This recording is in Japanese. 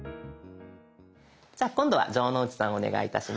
じゃあ今度は城之内さんお願いいたします。